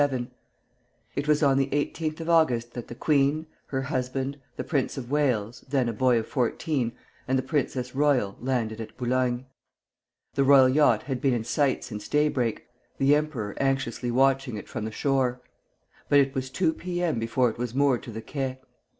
It was on the 18th of August that the queen, her husband, the Prince of Wales, then a boy of fourteen, and the Princess Royal landed at Boulogne. The royal yacht had been in sight since daybreak, the emperor anxiously watching it from the shore; but it was two P. M. before it was moored to the quai.